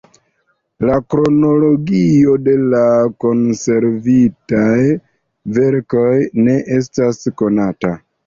La kronologio de la konservitaj verkoj ne estas konata.